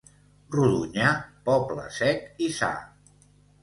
Rodonyà, poble sec i sa.